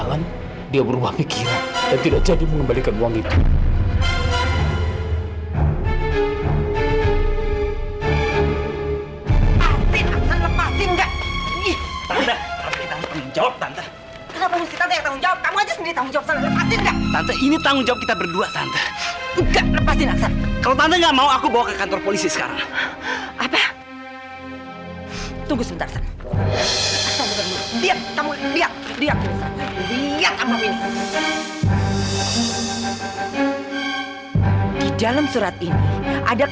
sampai jumpa di video selanjutnya